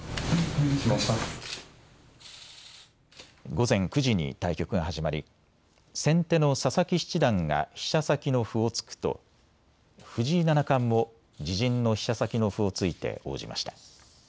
午前９時に対局が始まり先手の佐々木七段が飛車先の歩を突くと藤井七冠も自陣の飛車先の歩を突いて応じました。